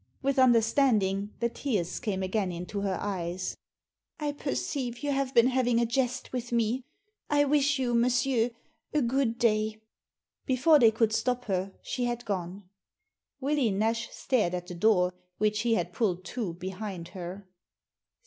With understanding the tears came again into her eyes. N Digitized by VjOOQIC 178 THE SEEN AND THE UNSEEN I perceive you have been having a jest with me. I wish you, monsieur, a good day." Before they could stop her she had gone. Willie Nash stared at the door which she had pulled to behind her.